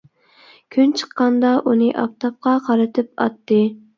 كۈن چىققاندا ئۇنى ئاپتاپقا قارىتىپ ئاتتى.